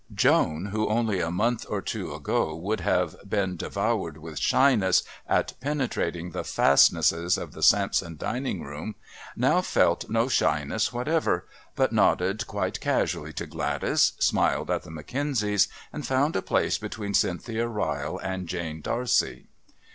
Joan, who only a month or two ago would have been devoured with shyness at penetrating the fastnesses of the Sampson dining room, now felt no shyness whatever but nodded quite casually to Gladys, smiled at the McKenzies, and found a place between Cynthia Ryle and Jane D'Arcy.